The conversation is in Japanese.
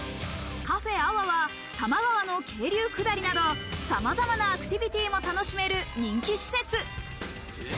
カフェＡＷＡは多摩川の渓流下りなど、さまざまなアクティビティーも楽しめる人気施設。